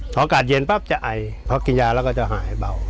เวลาเย็นจะไอพ่อกินยาแล้วถ่ายบ่าว